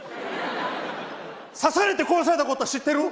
刺されて殺されたことは知ってる。